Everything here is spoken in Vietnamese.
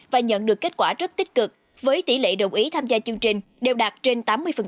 và nhận được kết quả rất tích cực với tỷ lệ đồng ý tham gia chương trình đều đạt trên tám mươi